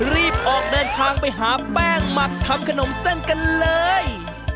รีบออกเดินทางไปหาแป้งหมักทำขนมเส้นกันเลย